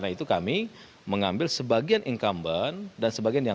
saya tidak harus mengambilkannya kepadanya dan quran allah sudah dikirakan